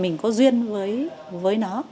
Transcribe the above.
mình có duyên với nó